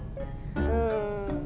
うん。